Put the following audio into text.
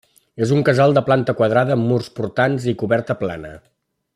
És un casal de planta quadrada amb murs portants i coberta plana.